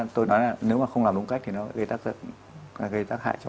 tôi nói là nếu mà không làm đúng cách thì nó gây tác hại